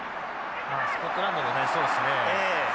スコットランドでねそうですね。